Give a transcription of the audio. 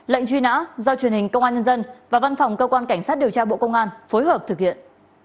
lệnh truy nã do truyền hình công an nhân dân và văn phòng cơ quan cảnh sát điều tra bộ công an phối hợp thực hiện